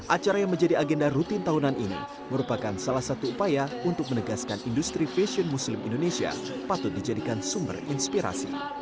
acara yang menjadi agenda rutin tahunan ini merupakan salah satu upaya untuk menegaskan industri fashion muslim indonesia patut dijadikan sumber inspirasi